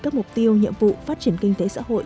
các mục tiêu nhiệm vụ phát triển kinh tế xã hội